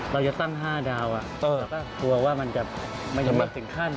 เราจะตั้งห้าดาวแต่กลัวว่ามันจะมาอยู่ถึงขั้น